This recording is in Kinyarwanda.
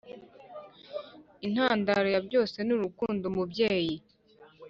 intandaro ya byose nurukundo umubyeyi